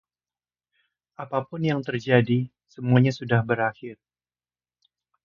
Apapun yang terjadi, semuanya sudah berakhir.